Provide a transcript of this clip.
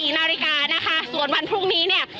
๔นาฬิกานะคะส่วนวันพรุ่งนี้เนี่ย